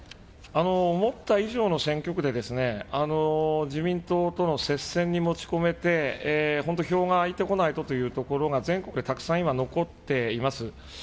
思った以上の選挙区で、自民党との接戦に持ち込めて、本当、票が開いてこないとというところが、全国でたくさん今残っています。